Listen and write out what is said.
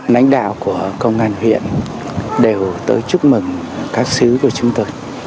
lãnh đạo của công an huyện đều tới chúc mừng các sứ của chúng tôi